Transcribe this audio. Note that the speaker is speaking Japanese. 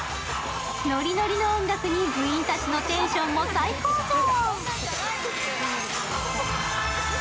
ノリノリの音楽に、部員たちのテンションも最高潮！